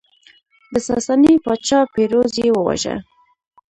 د ساساني پاچا پیروز یې وواژه